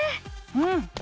うん。